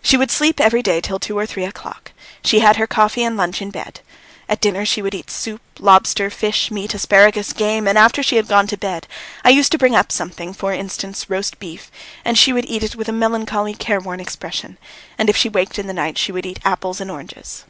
She would sleep every day till two or three o'clock; she had her coffee and lunch in bed. At dinner she would eat soup, lobster, fish, meat, asparagus, game, and after she had gone to bed I used to bring up something, for instance roast beef, and she would eat it with a melancholy, careworn expression, and if she waked in the night she would eat apples and oranges.